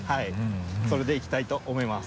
それでいきたいと思います。